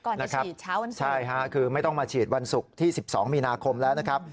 ก่อนที่ฉีดช้าวันศูนย์กันใช่ค่ะคือไม่ต้องมาชีดวันศุกร์ที่๑๒มินาคมแล้วนะครับ